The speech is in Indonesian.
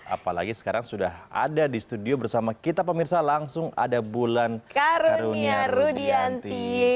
apalagi sekarang sudah ada di studio bersama kita pemirsa langsung ada bulan karunia rudianti